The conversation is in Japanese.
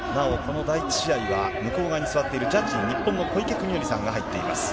なおこの第１試合は向こう側に座っているジャッジに日本のこいけきみのりさんが入っています。